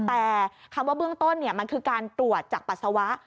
แต่คำว่าเบื้องต้นมันคือการตรวจจากปัสสาวะ